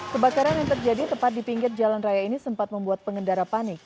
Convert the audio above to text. kebakaran yang terjadi tepat di pinggir jalan raya ini sempat membuat pengendara panik